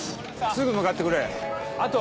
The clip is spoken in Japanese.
すぐ向かってくれあと